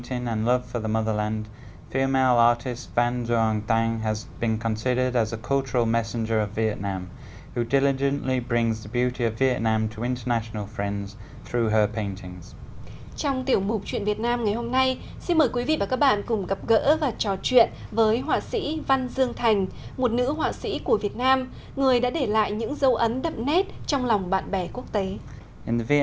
xin mời quý vị và các bạn cùng gặp gỡ và trò chuyện với họa sĩ văn dương thành một nữ họa sĩ của việt nam người đã để lại những dấu ấn đậm nét trong lòng bạn bè quốc tế